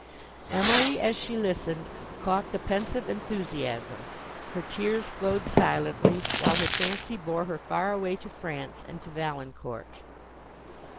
Emily, as she listened, caught the pensive enthusiasm; her tears flowed silently, while her fancy bore her far away to France and to Valancourt.